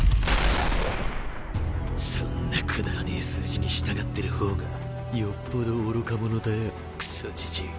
そんなくだらねえ数字に従ってる方がよっぽど愚か者だよクソジジィ。